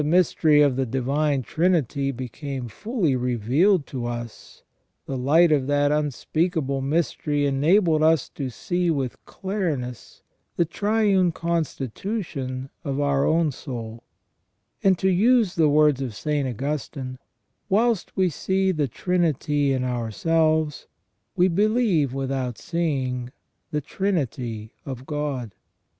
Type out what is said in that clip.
19 mystery of the Divine Trinity became fully revealed to us, the light of that unspeakable mystery enabled us to see with clear ness the triune constitution of our own soul ; and, to use the words of St, Augustine :" Whilst we see the trinity in ourselves, we believe without seeing the Trinity of God